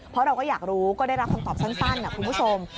เพราะเราก็อยากรู้ก็ได้รับคำตอบสั้นนะคุณผู้ชม